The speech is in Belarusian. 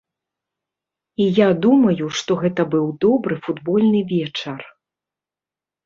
І я думаю, што гэта быў добры футбольны вечар.